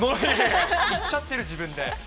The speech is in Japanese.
いっちゃってる、自分で。